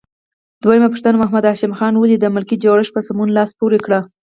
دویمه پوښتنه: محمد هاشم خان ولې د ملکي جوړښت په سمون لاس پورې کړ؟